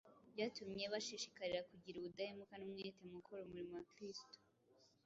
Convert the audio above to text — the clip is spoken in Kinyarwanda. byatumye bashishikarira kugira ubudahemuka n’umwete mu gukora umurimo wa Kristo.